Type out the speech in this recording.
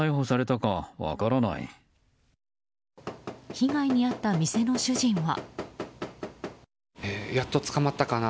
被害に遭った店の主人は。